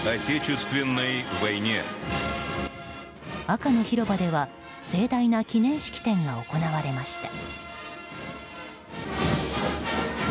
赤の広場では盛大な記念式典が行われました。